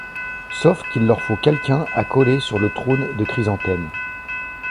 Sauf qu’il leur faut quelqu’un à coller sur le trône de Chrysanthème.